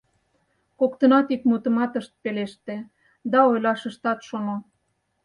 Коктынат ик мутымат ышт пелеште да ойлаш ыштат шоно.